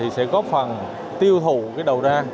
sẽ góp phần tiêu thụ đầu ra